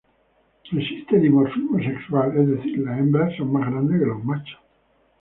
Existe dimorfismo sexual, es decir, las hembras son más grandes que los machos.